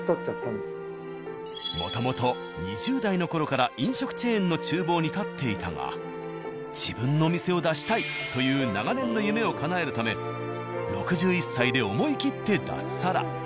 もともと２０代のころから飲食チェーンの厨房に立っていたが自分の店を出したいという長年の夢をかなえるため６１歳で思い切って脱サラ。